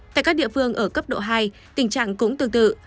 tại các địa phương ở cấp độ hai tình trạng cũng tương tự